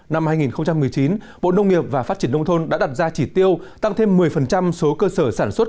năm hai nghìn một mươi chín bộ nông nghiệp và phát triển nông thôn đã đặt ra chỉ tiêu tăng thêm một mươi số cơ sở sản xuất